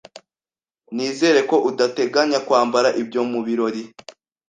Nizere ko udateganya kwambara ibyo mubirori.